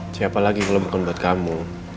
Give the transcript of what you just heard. siapa lagi kalau bukan buat kamu